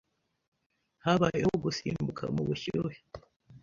Habayeho gusimbuka mubushyuhe.